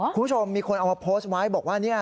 คุณผู้ชมมีคนเอามาโพสต์ไว้บอกว่าเนี่ย